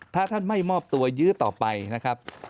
ถ้าท่านไม่มอบตัวยื้อต่อไปนะครับ